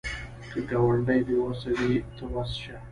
که ګاونډی بې وسه وي، ته وس شه